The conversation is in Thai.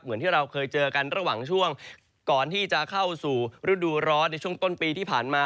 เหมือนที่เราเคยเจอกันระหว่างช่วงก่อนที่จะเข้าสู่ฤดูร้อนในช่วงต้นปีที่ผ่านมา